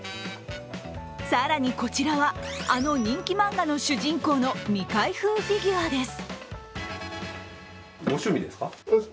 更にこちらは、あの人気漫画の主人公の未開封フィギュアです。